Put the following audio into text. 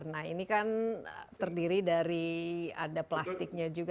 nah ini kan terdiri dari ada plastiknya juga